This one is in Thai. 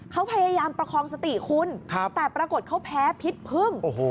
เขาพยายามประคองสติคุณแต่ปรากฏเขาแพ้พิษพึ่ง